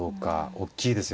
おっきいですよ